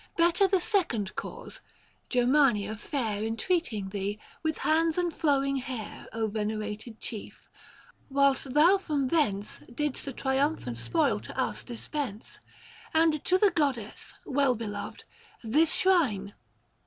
Better the second cause, Grermania fair Entreating thee, with hands and flowing hair, 695 venerated chief : whilst thou from thence Didst the triumphant spoil to us dispense ; And to the goddess, well beloved, this shrine.